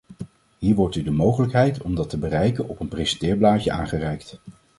Hier wordt u de mogelijkheid om dat te bereiken op een presenteerblaadje aangereikt.